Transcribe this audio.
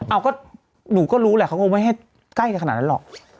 เอาก็หนูก็รู้แหละเขาคงไม่ให้ใกล้จะขนาดนั้นหรอก